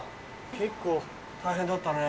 結構大変だったね。